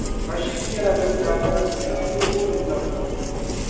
Rashid nyɛla bɛ ni daa dɔɣi so tiŋyuli booni Zabzugu.